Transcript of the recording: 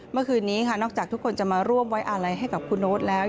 เมื่อคืนนี้ค่ะนอกจากทุกคนจะมาร่วมไว้อาลัยให้กับคุณโน๊ตแล้ว